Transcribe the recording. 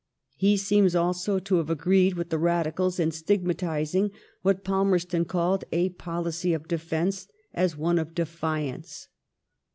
He seems also to have agreed with the Badicals in stigmatising what Palmerston called a policy of defence as one of defiance.